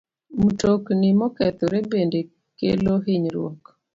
Mtokni mokethore bende kelo hinyruok.